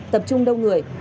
tập trung đông người